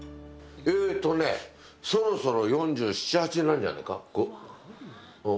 えっと、そろそろ４７８年になるんじゃないか。